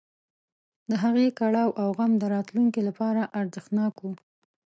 د هغې کړاو او غم د راتلونکي لپاره ارزښتناک نه و.